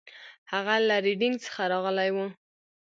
هغه له ریډینګ څخه راغلی و.